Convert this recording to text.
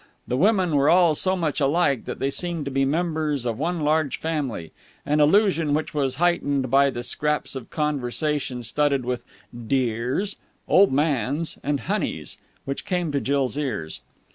The men were all so much alike that they seemed to be members of one large family an illusion which was heightened by the scraps of conversation, studded with "dears," "old mans," and "honeys," which came to Jill's ears.